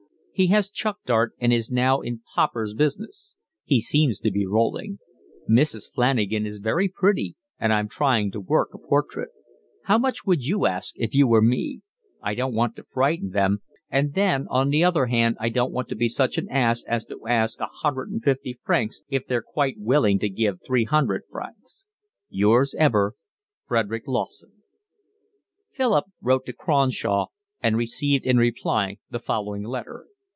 He has chucked art and is now in popper's business. He seems to be rolling. Mrs. Flanagan is very pretty and I'm trying to work a portrait. How much would you ask if you were me? I don't want to frighten them, and then on the other hand I don't want to be such an ass as to ask L150 if they're quite willing to give L300. Yours ever, Frederick Lawson. Philip wrote to Cronshaw and received in reply the following letter.